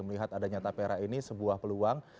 melihat adanya tapera ini sebuah peluang